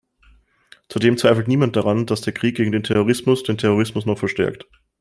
Zudem zweifelt niemand daran, dass der Krieg gegen den Terrorismus den Terrorismus noch verstärkt.